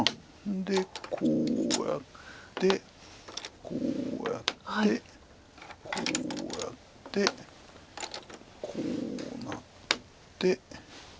でこうやってこうやってこうやってこうなって。